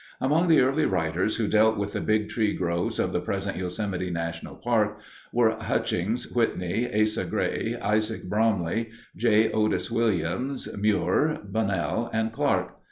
Among the early writers who dealt with the Big Tree groves of the present Yosemite National Park were Hutchings, Whitney, Asa Gray, Isaac N. Bromley, J. Otis Williams, Muir, Bunnell, and Clark.